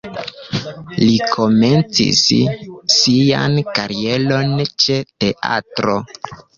Li komencis sian karieron ĉe teatro.